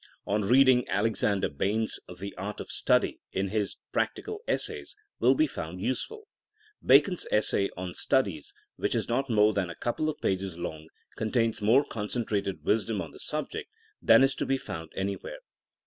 On reading, Alexander Bain's The Art of Study, in his Practical Essays, will be found useful. Bacon's essay On Studies, which is not more than a couple pages long, contains more concentrated wisdom on the subject than is to be found anywhere.